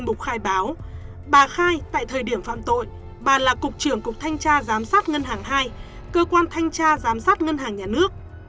trên mục khai báo bà khai tại thời điểm phạm tội bà là cục trưởng cục thanh tra giám sát ngân hàng hai cơ quan thanh tra giám sát ngân hàng nhà nước